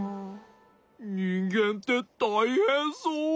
にんげんってたいへんそう。